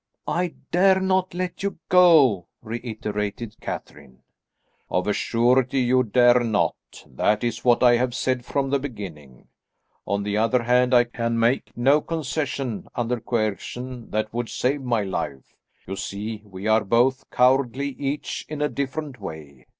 "I dare not let you go," reiterated Catherine. "Of a surety you dare not; that is what I have said from the beginning. On the other hand, I can make no concession, under coercion, that would save my life. You see we are both cowardly, each in a different way.